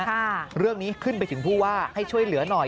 เรื่องนี้ขึ้นไปถึงผู้ว่าให้ช่วยเหลือหน่อย